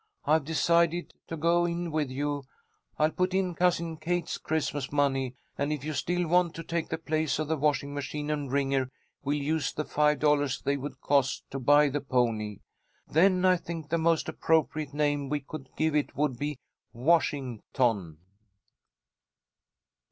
I've decided to go in with you. I'll put in Cousin Kate's Christmas money, and if you still want to take the place of the washing machine and wringer, we'll use the five dollars they would cost, to buy the pony. Then I think the most appropriate name we could give it would be Washing ton!"